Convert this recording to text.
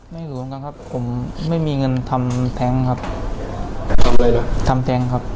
ไม่รู้เหมือนกันครับผมไม่มีเงินทำแท้งครับทำอะไรนะทำแท้งครับ